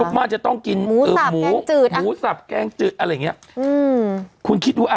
มากจะต้องกินหมูจืดหมูสับแกงจืดอะไรอย่างเงี้ยอืมคุณคิดดูอ่ะ